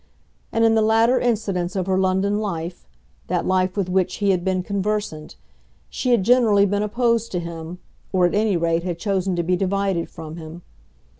And in the latter incidents of her London life, that life with which he had been conversant, she had generally been opposed to him, or, at any rate, had chosen to be divided from him.